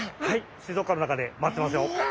水族館の中で待ってますよ。